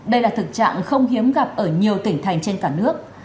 đây là thực trạng không hiếm gặp ở nhiều tỉnh thành trên cả nước